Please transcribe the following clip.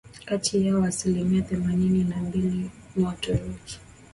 Kati yao asilimia themanini na mbili ni Waturuki